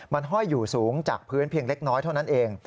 มันห้อยอยู่สูงจากพื้นเพียงเล็กน้อยเท่านั้นเอง